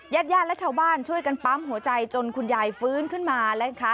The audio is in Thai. แยดและชาวบ้านช่วยกันปั๊มหัวใจจนคุณยายฟื้นขึ้นมาแล้วค่ะ